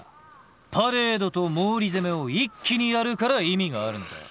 パレードと毛利攻めを一気にやるから意味があるのだ。